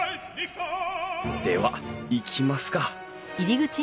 では行きますか。